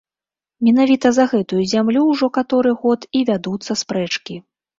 Менавіта за гэтую зямлю ўжо каторы год і вядуцца спрэчкі.